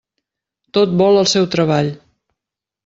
Tot vol el seu treball.